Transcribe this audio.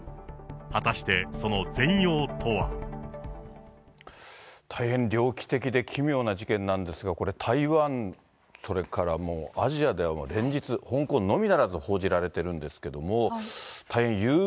果たしてその全容とは。大変猟奇的で奇妙な事件なんですが、これ台湾、それからアジアでは連日、香港のみならず報じられているんですけれども。